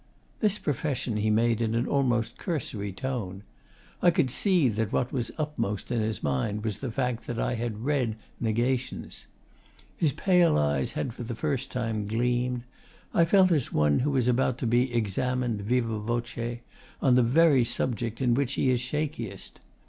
This profession he made in an almost cursory tone. I could see that what was upmost in his mind was the fact that I had read 'Negations.' His pale eyes had for the first time gleamed. I felt as one who is about to be examined, viva voce, on the very subject in which he is shakiest.